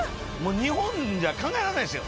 日本じゃ考えられないですよ